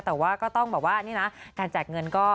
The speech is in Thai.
แต่ว่าก็ต้องบอกว่านี่นะการแจกเงินก็